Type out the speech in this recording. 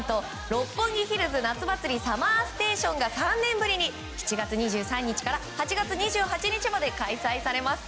「六本木ヒルズ夏祭りＳＵＭＭＥＲＳＴＡＴＩＯＮ」が３年ぶりに７月２３日から８月２８日まで開催されます。